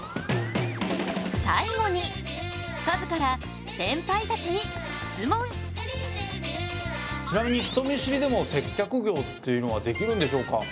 最後にＫＡＺＵからちなみに人見知りでも接客業っていうのはできるんでしょうか。